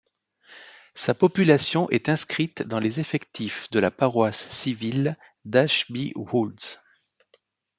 Sa population est inscrite dans les effectifs de la paroisse civile d'Ashby Woulds.